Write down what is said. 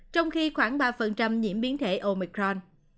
chỉ khoảng ba nhiễm biến thể omicron